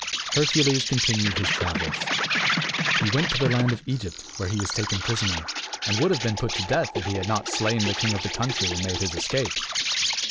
Hercules continued his travels. He went to the land of Egypt, where he was taken prisoner, and would have been put to death if he had not slain the king of the country and made his escape.